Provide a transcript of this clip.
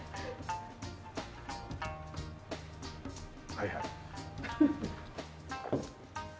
はいはい。